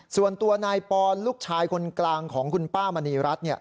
ส่วนตัวนายปอนลูกชายคนกลางของคุณป้ามณีรัฐ